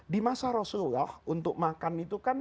di masa rasulullah untuk makan itu kan